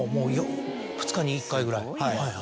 ２日に１回ぐらい？